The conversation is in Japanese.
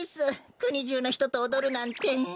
くにじゅうのひととおどるなんて。